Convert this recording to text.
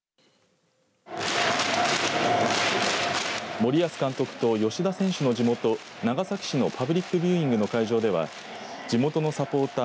森保監督と吉田選手の地元長崎市のパブリック・ビューイングの会場では地元のサポーター